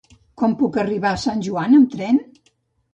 Com puc arribar a Sant Joan amb tren?